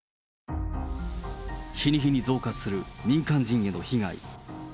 日に日に増加する民間人への被害。